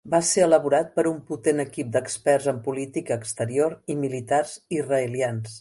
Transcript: Va ser elaborat per un potent equip d'experts en política exterior i militars israelians.